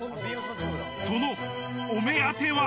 そのお目当ては。